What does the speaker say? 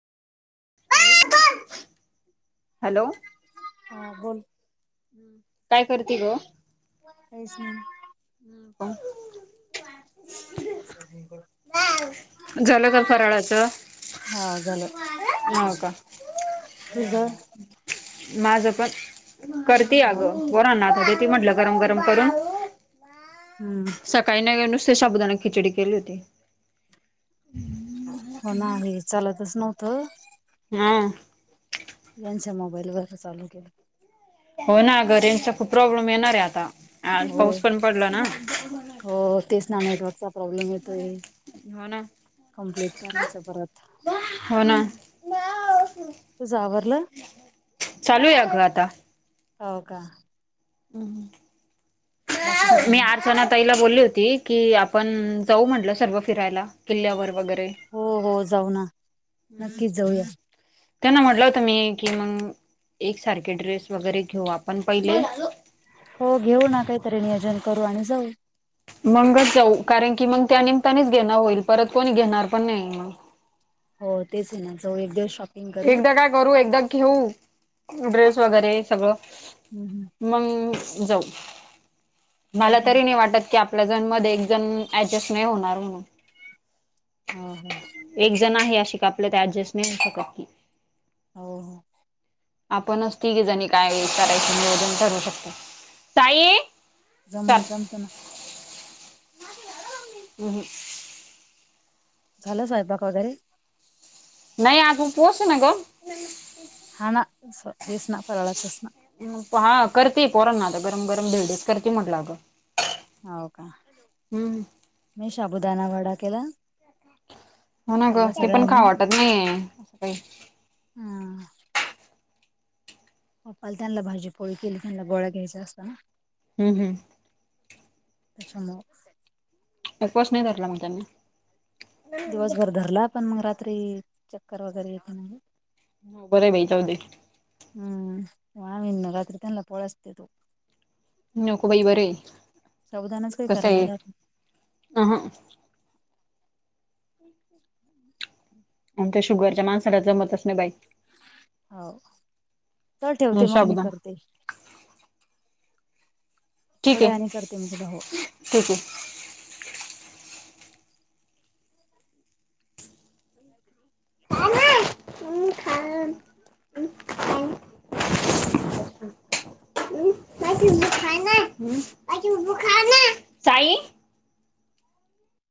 Hello hello हा बोल काय करती ग? काहीच नाही. हम् का. [unintelligible] झालं का फराळाचं हाव झाल. हो का तुझं? माझं पण करती अगं पोरांना आता ते ती म्हंटलं गरम गरम करून. हम्म सकाळी नाही नुसते शाबुदाने खिचडी केली होती. हो नाही चालतच नव्हतं, हा यांच्या मोबाईल वर चालू केल. हो ना ग रेंजचा खूप प्रॉब्लेम येणार आहे आता, आज हो पाऊस पण पडला ना. हो तेच ना नेटवर्कचा प्रॉब्लेम येतोय. हो ना कमप्लीट करायचं परत. हो ना. तूझ आवरलं? चालू आहे अगं आता हो का. बाकी काय मी मग अर्चना ताईला बोलली होती कि आपण जाऊ म्हटलं सर्व फिरायला किल्ल्यावर वगैरे. हो हो जाऊ ना नक्कीच जाऊया. त्यांना म्हटलं होतं मी की मग एकसारखे ड्रेस वगैरे घेऊ आपण पहिले हो घेऊ ना काहीतरी नियोजन करू आणि जाऊ. मगच जाऊ कारण की मग त्या निमतानेच घेण होईल परत कोणी घेणार पण नाही मग, हो तेच आहे ना जाऊ एक दिवस शॉ एकदा काय करू एकदा घेऊ ड्रेस वगैरे सगळं हम्म मग जाऊ, मला चालतं ना तरी नाही वाटत की आ आपल्या जण मध्ये एक जण ऍडजस्ट नाही होणार म्हणून, ह ह एक जण आहे, अशी का आपल्या त ऍडजस्टमेन्ट [inaudible] की हो हो आपणच तिघी जणी काय करायची निरोजन ठरवू शकतो, साई चल जमून जमतना. अ ह झाला स्वयंपाक वगैरे? नाही अजून पोच ना ग हा ना, हेच ना फरळाचच ना. हा करती पोरांना आता गरम गरम धिरडेच करती म्हटलं, अगं. होव का, हम्म मी शाबुदाना वडा केला हो ना ग, खाल्ला ते पण सगळ्यांनी खाउ वाटत नाहीये असं काही. हा पप्पान त्यांनला भाजी-पोळी केली त्यांना गोळ्या घ्यायच्या असाता ना हम्म हं त्याच्यामुळं उपवास नाही धरला मग त्यांनी? दिवसभर धरला पण मंग रात्री चक्कर वगैरे येते म्हणे, हो बरय बाई, जाऊदे. हम्म, आम्ही ना रात्री तेनला पोळ्याच देतो. नको बाई बरं आहे, साबुदाणाच काही कस आहे करणार अ ह. आणी त्या शुगरच्या माणसाला जमतच नाही बाई. हाव, चल ठेवते मग मी साबुदाणा करते. ठीक थोड्या आहे वेळाने करते मी तुला, हो. ठीक हे. [unintelligible] [unintelligible] साई